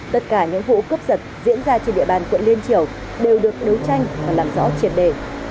tất cả những vụ cướp giật diễn ra trên địa bàn quận liên triều đều được đấu tranh và làm rõ triệt đề